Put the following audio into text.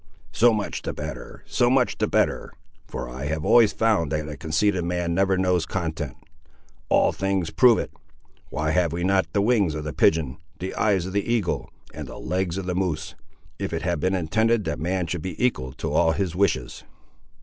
"So much the better—so much the better; for I have always found that a conceited man never knows content. All things prove it. Why have we not the wings of the pigeon, the eyes of the eagle, and the legs of the moose, if it had been intended that man should be equal to all his wishes?"